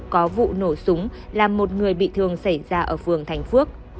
có vụ nổ súng làm một người bị thương xảy ra ở phường thành phước